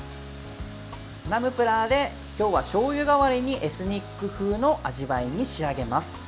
ナムプラーで今日はしょうゆ代わりにエスニック風の味わいに仕上げます。